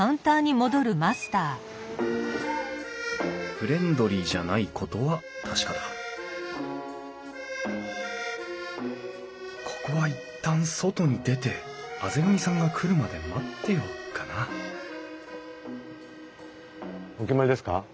フレンドリーじゃないことは確かだここは一旦外に出て畔上さんが来るまで待ってようかなお決まりですか？